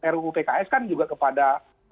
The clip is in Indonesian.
ruu pks kan juga kepada